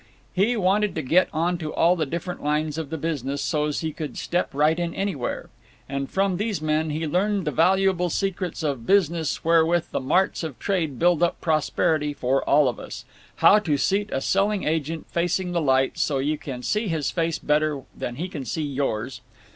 He "wanted to get onto all the different lines of the business so's he could step right in anywhere"; and from these men he learned the valuable secrets of business wherewith the marts of trade build up prosperity for all of us: how to seat a selling agent facing the light, so you can see his face better than he can see yours.